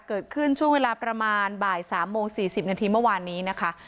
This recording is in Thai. ช่วงเวลาประมาณบ่าย๓โมง๔๐นาทีเมื่อวานนี้นะคะ